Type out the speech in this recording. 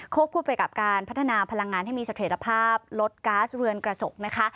ควบคุมไปกับการพัฒนาพลังงานให้มีสังเกตภาพลดก๊าซเรือนกระจก